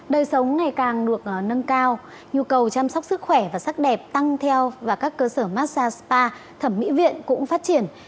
đời sống ngày càng được nâng cao nhu cầu chăm sóc sức khỏe và sắc đẹp tăng theo và các cơ sở massag spa thẩm mỹ viện cũng phát triển